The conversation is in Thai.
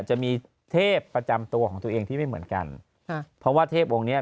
จะมีเทพประจำตัวของตัวเองที่ไม่เหมือนกันค่ะเพราะว่าเทพองค์เนี้ย